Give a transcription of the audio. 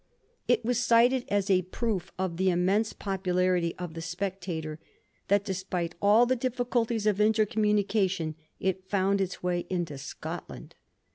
It was cited as a proof of the immense popularity of the Spectator ^ that despite all the difficulties of intercommunication it found its way into Scotland.